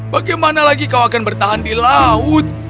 bagaimana lagi kau akan bertahan di laut